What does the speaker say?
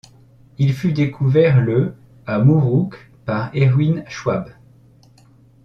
Il fut découvert le à Moorook par Erwin Schwab.